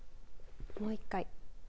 もう１回。